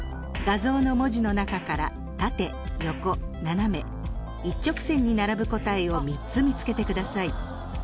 画像の文字の中から縦横斜め一直線に並ぶ答えを３つ見つけてください。